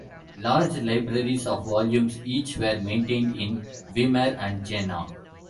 Large libraries of volumes each were maintained in Weimar and Jena.